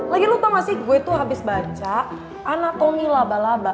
lagi lu tau gak sih gue tuh abis baca anatomi laba laba